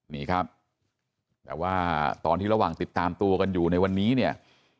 นี่ครับแต่ว่าตอนที่ระหว่างติดตามตัวกันอยู่ในวันนี้เนี่ย